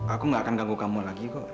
aku gak akan ganggu kamu lagi kok